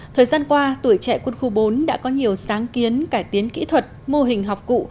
thời gian qua tuổi trẻ quân khu bốn đã có nhiều sáng kiến cải tiến kỹ thuật mô hình học cụ